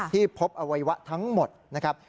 พบอวัยวะทั้งหมดนะครับ